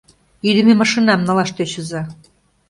Ӱдымӧ машинам налаш тӧчыза.